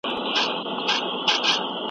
په سفر کي مطالعه کول خوند ورکوي.